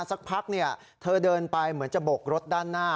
สักพักเธอเดินไปเหมือนจะบกรถด้านหน้า